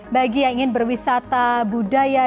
bagi yang ingin berwisata budaya dan kreatif